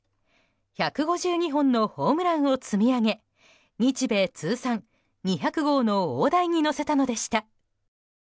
１５２本のホームランを積み上げ日米通算２００号の大台に乗せたのでした。